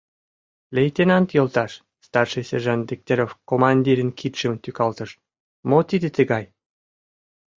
— Лейтенант йолташ, — старший сержант Дегтярев командирын кидшым тӱкалтыш, — мо тиде тыгай?